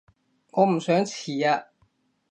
我唔想遲啊